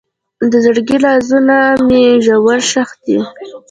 د زړګي رازونه مې ژور ښخ دي.